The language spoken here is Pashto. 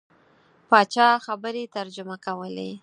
پاچا خبرې ترجمه کولې.